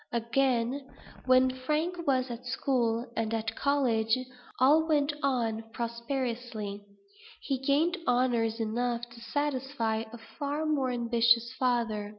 Again, when Frank was at school and at college, all went on prosperously; he gained honors enough to satisfy a far more ambitious father.